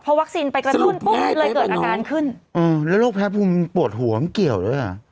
วัคซีนไปกระตุ้นปุ๊บเลยเกิดอาการขึ้นอ่าแล้วโรคแพ้ภูมิมันปวดหัวมันเกี่ยวด้วยอ่ะ